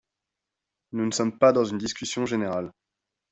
Nous ne sommes pas dans une discussion générale